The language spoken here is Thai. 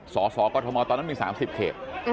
สสกมตอนนั้นมี๓๐เขต